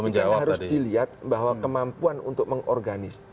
tapi kan harus dilihat bahwa kemampuan untuk mengorganis